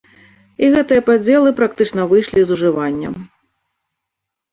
І гэтыя падзелы практычна выйшлі з ужывання.